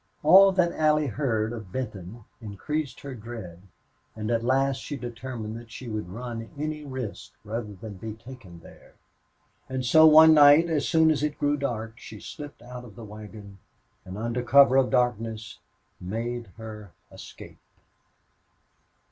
All that Allie heard of Benton increased her dread, and at last she determined that she would run any risk rather than be taken there. And so one night, as soon as it grew dark, she slipped out of the wagon and, under cover of darkness, made her escape.